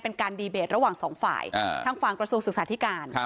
เป็นการดีเบตระหว่างสองฝ่ายทางฝั่งกระทรวงศึกษาธิการ